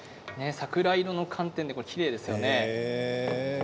桜色の寒天できれいですよね。